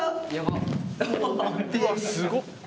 うわっすごっ。